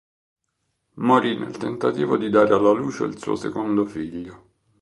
Morì nel tentativo di dare alla luce il suo secondo figlio.